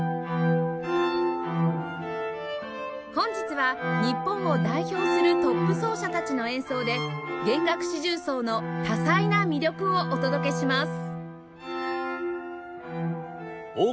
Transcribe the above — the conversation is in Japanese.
本日は日本を代表するトップ奏者たちの演奏で弦楽四重奏の多彩な魅力をお届けします